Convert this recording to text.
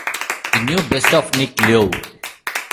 The New Best of Nick Lowe.